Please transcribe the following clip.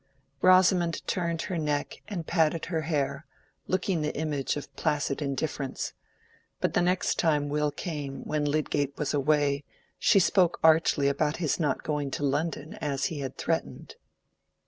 Rosamond turned her neck and patted her hair, looking the image of placid indifference. But the next time Will came when Lydgate was away, she spoke archly about his not going to London as he had threatened.